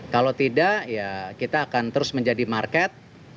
kalau tidak ya kita akan terus menjadi market